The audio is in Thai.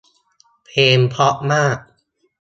เพลงเพราะมาก